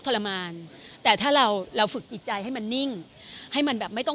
ธรรมะเขาช่วยด้วยไหม